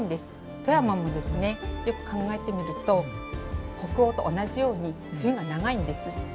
富山もですねよく考えてみると北欧と同じように冬が長いんです。